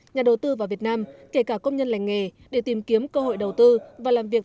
nhà đầu tư vào việt nam kể cả công nhân lành nghề để tìm kiếm cơ hội đầu tư và làm việc